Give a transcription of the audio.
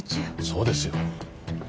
そうですよ。